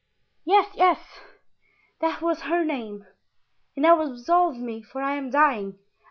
"Yes, yes, that was her name; and now absolve me, for I am dying."